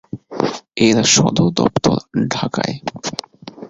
এর সদর দফতর ঢাকায়।